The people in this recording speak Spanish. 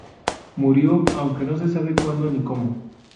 Murió, aunque no se sabe cuándo ni cómo.